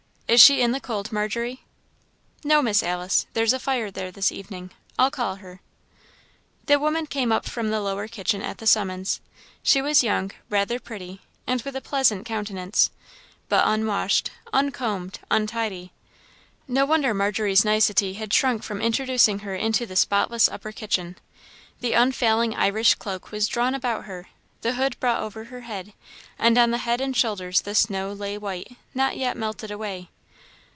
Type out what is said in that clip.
Is she in the cold, Margery?" "No, Miss Alice there's a fire there this evening. I'll call her." The woman came up from the lower kitchen at the summons. She was young, rather pretty, and with a pleasant countenance, but unwashed, uncombed, untidy, no wonder Margery's nicety had shrunk from introducing her into her spotless upper kitchen. The unfailing Irish cloak was drawn about her, the hood brought over her head, and on the head and shoulders the snow lay white, not yet melted away.